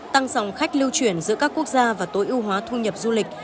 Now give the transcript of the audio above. tăng dòng khách lưu chuyển giữa các quốc gia và tối ưu hóa thu nhập du lịch